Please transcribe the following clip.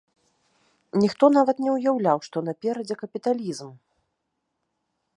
Ніхто нават не ўяўляў, што наперадзе капіталізм!